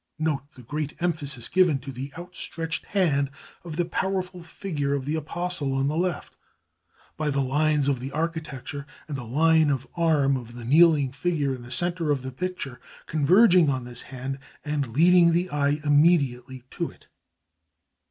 Note the great emphasis given to the outstretched hand of the powerful figure of the Apostle on the left by the lines of the architecture and the line of arm of the kneeling figure in the centre of the picture converging on this hand and leading the eye immediately to it.